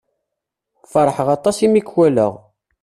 Feṛḥeɣ aṭas i mi k-walaɣ.